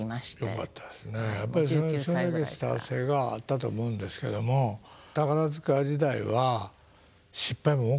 やっぱりそれだけスター性があったと思うんですけども宝塚時代は失敗も多かって？